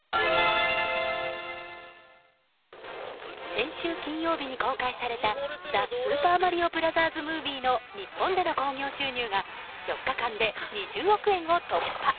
先週金曜日に公開された「ザ・スーパーマリオブラザーズ・ムービー」の日本での興行収入が４日間で２０億円を突破。